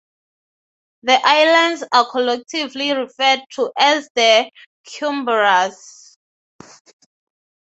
The islands are collectively referred to as The Cumbraes.